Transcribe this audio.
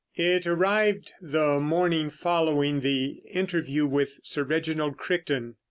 It arrived the morning following the interview with Sir Reginald Crichton.